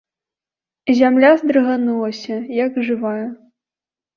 Зямля здрыганулася, як жывая.